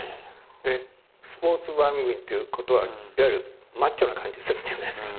でスポーツ番組っていうことはいわゆるマッチョな感じするじゃないですか。